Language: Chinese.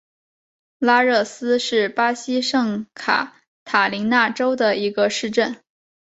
拉热斯是巴西圣卡塔琳娜州的一个市镇。